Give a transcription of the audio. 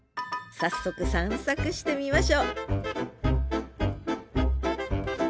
早速散策してみましょう